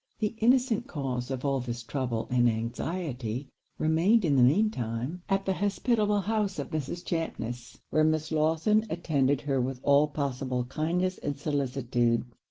The innocent cause of all this trouble and anxiety remained in the mean time at the hospitable house of Mrs. Champness; where Miss Lawson attended her with all possible kindness and solicitude.